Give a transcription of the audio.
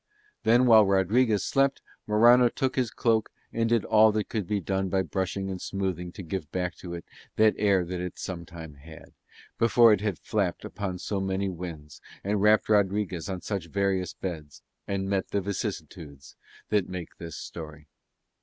Then while Rodriguez slept Morano took his cloak and did all that could be done by brushing and smoothing to give back to it that air that it some time had, before it had flapped upon so many winds and wrapped Rodriguez on such various beds, and met the vicissitudes that make this story.